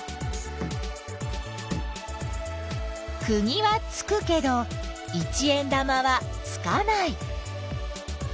くぎはつくけど一円玉はつかない。